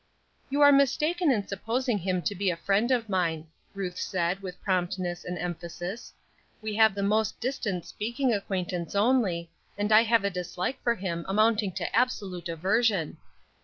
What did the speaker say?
"You are mistaken in supposing him to be a friend of mine," Ruth said, with promptness and emphasis. "We have the most distant speaking acquaintance only, and I have a dislike for him amounting to absolute aversion."